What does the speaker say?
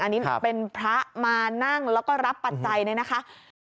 อันนี้เป็นพระมานั่งแล้วก็รับปัจจัยเนี่ยนะคะ